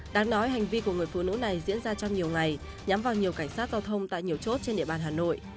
đáng nói hành vi của người phụ nữ này diễn ra trong nhiều ngày nhắm vào nhiều cảnh sát giao thông tại nhiều chốt trên địa bàn hà nội